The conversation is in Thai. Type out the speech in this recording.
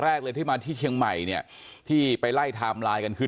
แรกเลยที่มาที่เชียงใหม่เนี่ยที่ไปไล่ไทม์ไลน์กันคือ